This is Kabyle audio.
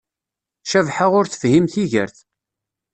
Cabḥa ur tefhim tigert.